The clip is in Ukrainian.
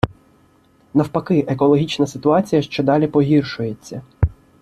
Навпаки — екологічна ситуація щодалі погіршується.